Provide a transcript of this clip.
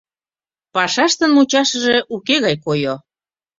Пашаштын мучашыже уке гай койо.